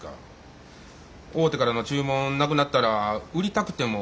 大手からの注文なくなったら売りたくても売られへんのですわ。